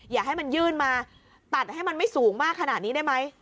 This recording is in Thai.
อย่าให้มันยื่นมาตัดให้มันไม่สูงมากขนาดนี้ได้ไหม